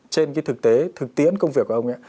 trên cái thực tế thực tiễn công việc của ông ấy